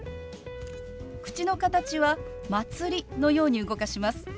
口の形は「まつり」のように動かします。